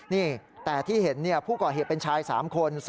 นี่แต่ที่เห็นผู้ก่อเหตุเป็นชาย๓คน